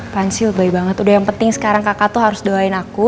pancil bayi banget udah yang penting sekarang kakak tuh harus doain aku